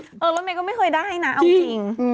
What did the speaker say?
อ๋อแล้วเมฆกันไม่เคยได้นะเอาจริง